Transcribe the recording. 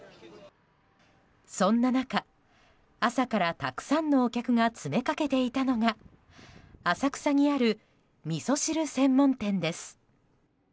そんな中、朝からたくさんのお客が詰めかけていたのが浅草にあるみそ汁専門店です。